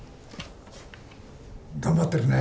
頑張ってるね。